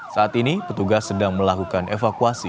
saat ini petugas sedang melakukan evakuasi